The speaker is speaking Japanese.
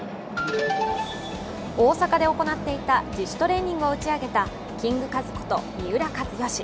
大阪で行っていた自主トレーニングを打ち上げたキングカズこと三浦知良。